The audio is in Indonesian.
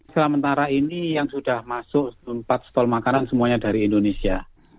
sementara ini yang sudah masuk empat stol makanan semuanya dari indonesia